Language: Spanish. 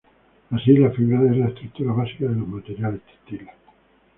Así, la fibra es la estructura básica de los materiales textiles.